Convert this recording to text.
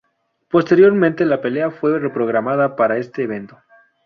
Posteriormente, la pelea fue reprogramada para este evento.